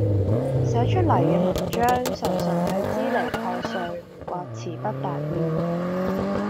寫出嚟嘅文章常常係支離破碎或辭不達意